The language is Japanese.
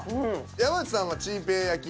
山内さんはチー平焼き？